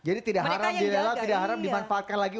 jadi tidak haram di lelah tidak haram dimanfaatkan lagi